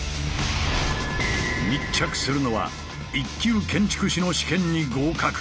密着するのは一級建築士の試験に合格。